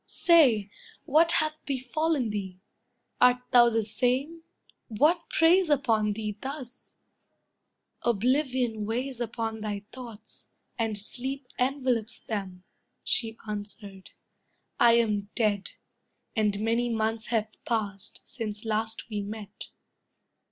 Say, what hath befallen thee? Art thou the same? What preys upon thee thus?" "Oblivion weighs upon thy thoughts, and sleep Envelops them," she answered; "I am dead, And many months have passed, since last we met."